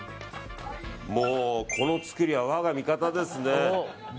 もうこの作りは我が味方ですね。